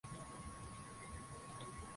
Sokoni kuna matunda mazuri